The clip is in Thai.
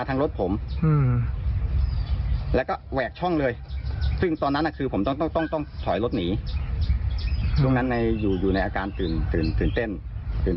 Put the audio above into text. ตอนนั้นถ่อยรถหนีตรงนั้นอยู่ในอาการตื่นเต้นตื่นสนุก